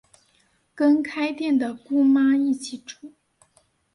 跟开店的姑妈一起住